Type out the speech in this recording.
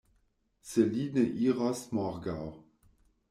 Se li ne iros morgaŭ!